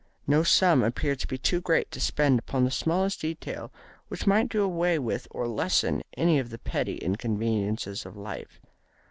No sum appeared to be too great to spend upon the smallest detail which might do away with or lessen any of the petty inconveniences of life.